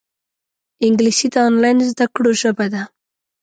انګلیسي د آنلاین زده کړو ژبه ده